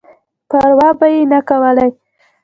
پر وا به یې نه کولای.